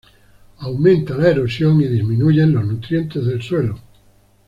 Aumenta la erosión y disminuyen los nutrientes del suelo.